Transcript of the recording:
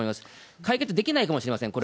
解決できないかもしれません、こ